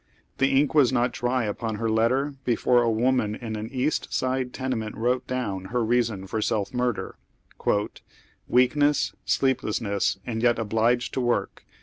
The ink was not dry upon her letter before a woman in an East I Side tenement wrote down her reaaon for self murder :" Weakness, sleeplessness, and yet obliged to work.